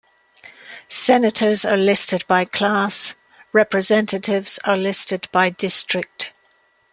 Senators are listed by class; Representatives are listed by district.